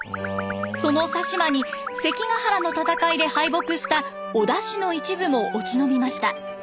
その佐島に関ヶ原の戦いで敗北した織田氏の一部も落ち延びました。